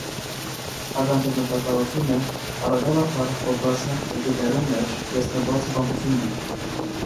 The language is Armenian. Ականջապնդագարութիւնը առաւելաբար կովկասեան երկիրներու մէջ տեսնուած հիւանդութիւն մըն է։